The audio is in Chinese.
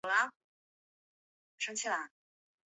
这样埃勾斯的一生就正应了那个神谕。